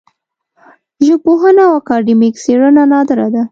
ژبپوهنه او اکاډمیک څېړنه نادره ده